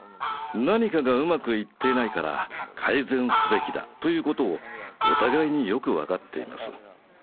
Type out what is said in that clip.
「何かがうまくいっていないから改善すべきだ」ということをお互いによく分かっています。